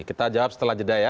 kita jawab setelah jeda ya